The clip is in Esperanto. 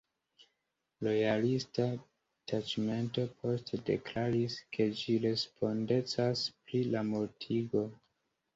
Lojalista taĉmento poste deklaris, ke ĝi respondecas pri la mortigo.